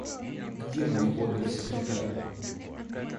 Где мой обер-секретарь?»